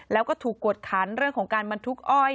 แล้วก็ถูกกวดขันเรื่องของการบรรทุกอ้อย